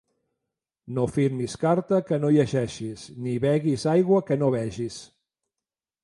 No firmis carta que no llegeixis, ni beguis aigua que no vegis.